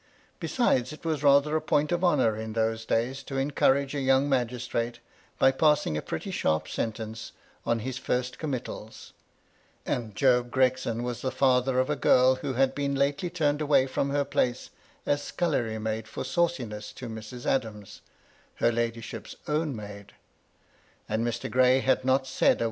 Besides, it was rather a point of honour in those days to encourage a young magistrate, by passing a pretty sharp sentence on his first committals ; and Job Gregson was the father of a girl who had been lately turned away from her place as scullery maid for sauciness to Mrs, Adams, her ladyship's own maid ; and Mr. Gray had not said a 48 MY LADY LUDLOW.